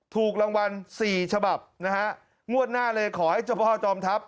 ถูกรางวัลสี่ฉบับนะฮะงวดหน้าเลยขอให้เจ้าพ่อจอมทัพ